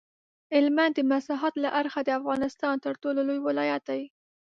هلمند د مساحت له اړخه د افغانستان تر ټولو لوی ولایت دی.